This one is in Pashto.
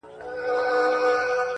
په علاج یې سول د ښار طبیبان ستړي؛